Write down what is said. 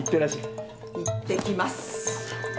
いってきます。